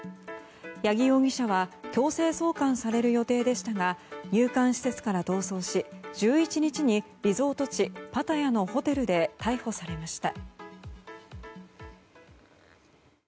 八木容疑者は強制送還される予定でしたが入管施設から逃走し１１日にリゾート地パタヤのホテルで逮捕されました。